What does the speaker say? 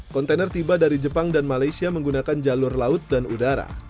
kontainer tiba dari jepang dan malaysia menggunakan jalur laut dan udara